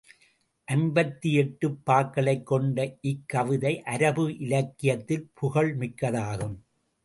ஐம்பத்தியெட்டுப் பாக்களைக் கொண்ட இக்கவிதை அரபு இலக்கியத்தில் புகழ் மிக்கதாகும்.